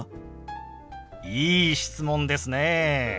いい質問ですね。